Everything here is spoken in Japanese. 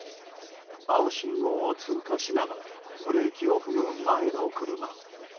青信号を通過しながらブレーキを踏む前の車。